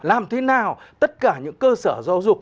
làm thế nào tất cả những cơ sở giáo dục